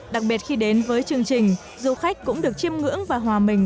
đặc biệt khi đến với chương trình du khách cũng được chiêm ngưỡng và hòa mình